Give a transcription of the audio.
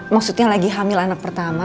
maksudnya lagi hamil anak pertama